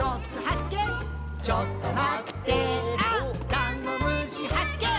ダンゴムシはっけん